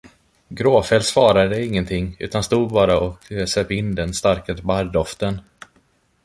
Gråfäll svarade ingenting, utan stod bara och söp in den starka barrdoften.